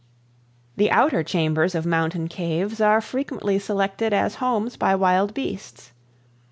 The outer chambers of mountain caves are frequently selected as homes by wild beasts.